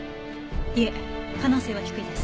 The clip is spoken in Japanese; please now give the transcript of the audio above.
いえ可能性は低いです。